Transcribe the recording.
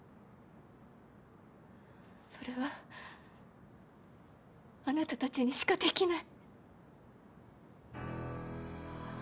それはあなたたちにしかできない。